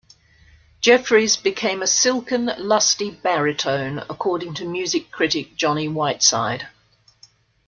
Jeffries became a "silken, lusty baritone," according to music critic Jonny Whiteside.